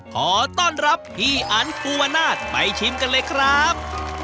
ขอต้อนรับพี่อันภูวนาศไปชิมกันเลยครับ